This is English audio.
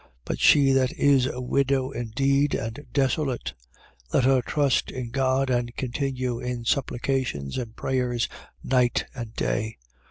5:5. But she that is a widow indeed, and desolate, let her trust in God and continue in supplications and prayers night and day.